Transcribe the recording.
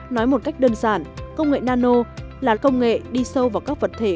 nói một cách đơn giản công nghệ nano là công nghệ đi sâu vào các vật thể